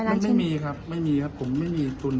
ไม่มีครับไม่มีครับผมไม่มีทุน